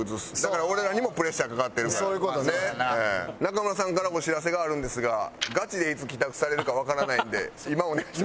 中村さんからお知らせがあるんですがガチでいつ帰宅されるかわからないんで今お願いします。